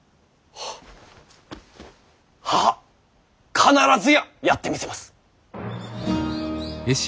必ずややってみせます！